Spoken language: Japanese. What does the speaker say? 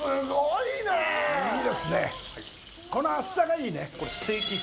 この暑さがいいね。